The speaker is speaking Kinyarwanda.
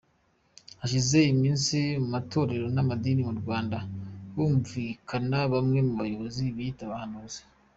Hashize iminsi mu matorero n’amadini mu Rwanda humvikana bamwe mu bayobozi biyita abahanuzi